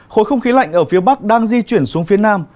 khối không khí lạnh ở phía bắc đang di chuyển xuống phía nam